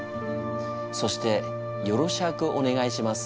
そして「よろシャークお願いします」